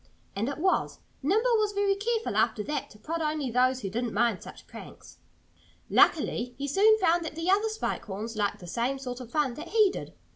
And it was. Nimble was very careful, after that, to prod only those that didn't mind such pranks. Luckily he soon found that the other Spike Horns liked the same sort of fun that he did.